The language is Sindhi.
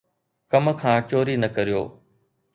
ڪم کان چوري نه ڪريو.